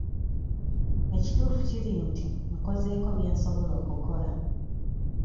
Ekituufu kiri nti nkozeeko bye nsobola okukola.